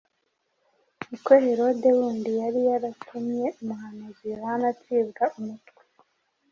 uko Herode wundi yari yaratumye umuhanuzi Yohana acibwa umutwe.